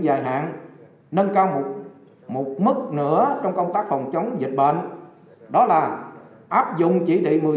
dài hạn nâng cao một mức nữa trong công tác phòng chống dịch bệnh đó là áp dụng chỉ thị một mươi sáu